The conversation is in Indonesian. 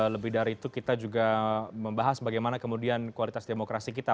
lebih dari itu kita juga membahas bagaimana kemudian kualitas demokrasi kita